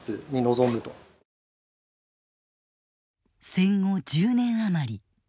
戦後１０年余り。